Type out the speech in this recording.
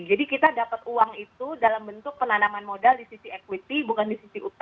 jadi kita dapat uang itu dalam bentuk penanaman modal di sisi equity bukan di sisi hutang gitu